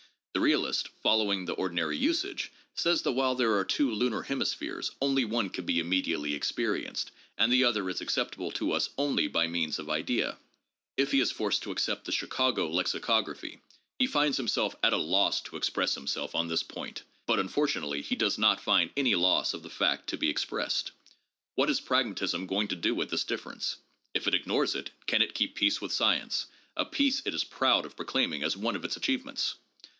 The realist, following the ordinary usage, says that while there are two lunar hemispheres, only one can be immediately experienced, and the other is acces sible to us only by means of idea. If he is forced to accept the Chicago lexicography he finds himself at a loss to express himself on this point, but unfortunately he does not find any loss of the fact to be expressed. "What is pragmatism going to do with this difference? If it ignores it, can it keep peace with science— a peace it is proud of proclaiming as one of its achievements?